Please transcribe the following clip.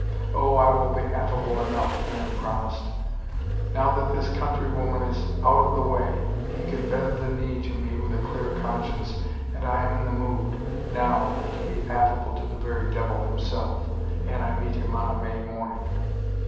" Oh, I will be affable enough," Anne promised. " Now that this countrywoman is out of the way he can bend the knee to me with a clear conscience, and I am in the mood, now, to be affable to the very devil himself^ an I met him on a May morning.